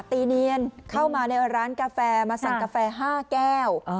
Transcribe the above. ตีเนียนเข้ามาในร้านกาแฟมาสั่งกาแฟ๕แก้ว